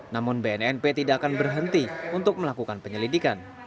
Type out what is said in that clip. namun bnnp tidak akan berhenti untuk melakukan penyelidikan